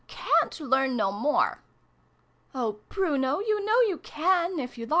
" Cant learn no more !"" Oh Bruno ! You know you can, if you like."